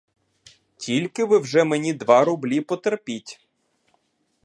Тільки ви вже мені два рублі потерпіть.